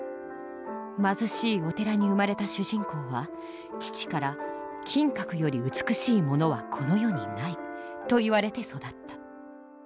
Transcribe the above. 貧しいお寺に生まれた主人公は父から「金閣より美しいものはこの世にない」と言われて育った。